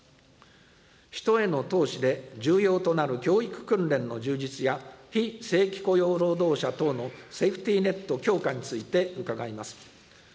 人への投資で重要となる教育訓練の充実や、非正規雇用労働者等のセーフティネット強化について伺います。